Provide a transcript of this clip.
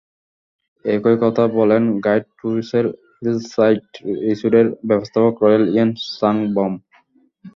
একই কথা বললেন গাইড ট্যুরসের হিলসাইড রিসোর্টের ব্যবস্থাপক রয়েল ইয়েন সাং বম।